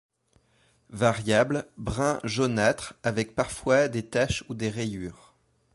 Variable, brun jaunâtre avec parfois des taches ou des rayures.